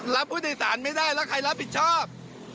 รับผู้โดยสารไม่ได้แล้วใครรับผิดชอบ